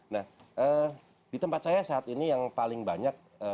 nah di tempat saya saat ini yang paling banyak